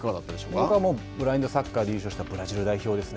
僕は、ブラインドサッカーで優勝したブラジルですね。